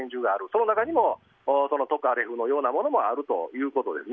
その中にも、そのトカレフのようなものもあるということです。